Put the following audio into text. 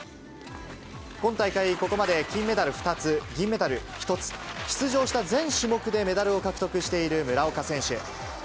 今大会、ここまで金メダル２つ、銀メダル１つ、出場した全種目でメダルを獲得している村岡選手。